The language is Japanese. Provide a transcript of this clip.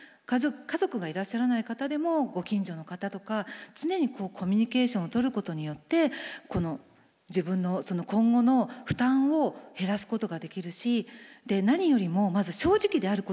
家族がいらっしゃらない方でもご近所の方とか常にコミュニケーションをとることによって自分の今後の負担を減らすことができるし何よりもまず正直であることが大事かなと。